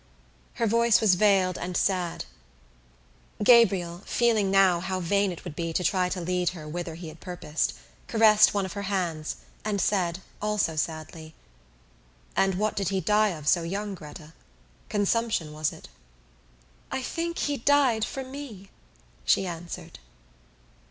Her voice was veiled and sad. Gabriel, feeling now how vain it would be to try to lead her whither he had purposed, caressed one of her hands and said, also sadly: "And what did he die of so young, Gretta? Consumption, was it?" "I think he died for me," she answered.